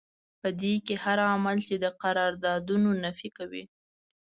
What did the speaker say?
په دې کې هر عمل چې د قراردادونو نفي کوي.